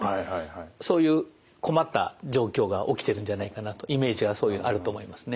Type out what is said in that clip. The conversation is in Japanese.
そういう困った状況が起きてるんじゃないかなとイメージはあると思いますね。